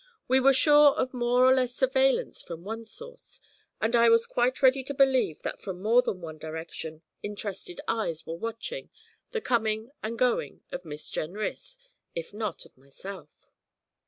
We were sure of more or less surveillance from one source; and I was quite ready to believe that from more than one direction interested eyes were watching the coming and going of Miss Jenrys, if not of myself.